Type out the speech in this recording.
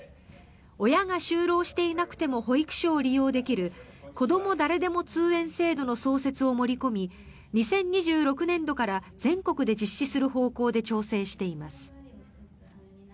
親が就労していなくても保育所を利用できるこども誰でも通園制度の創設を盛り込み２０２６年度から全国で実施する方向で調整しています。